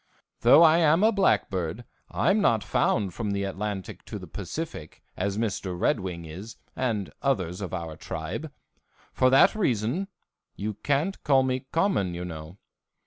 Though I am a blackbird, I'm not found from the Atlantic to the Pacific, as Mr. Red Wing is and others of our tribe. For that reason you can't call me common, you know.